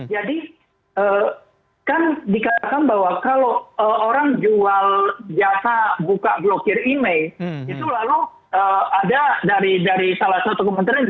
kan dikatakan bahwa kalau orang jual jasa buka blokir email itu lalu ada dari salah satu kementerian